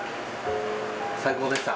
最高でした。